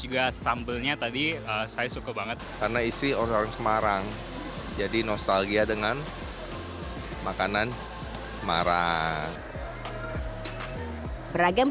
jadi saya suka banget karena isi orang semarang jadi nostalgia dengan makanan semarang beragam